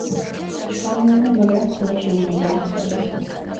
შხამიანია, მაგრამ თივაში უვნებელი ხდება.